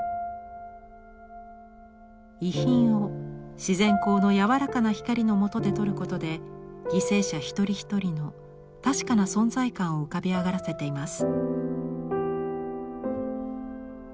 遺品を自然光の柔らかな光のもとで撮ることで犠牲者一人一人の確かな存在感を浮かび上がらせています。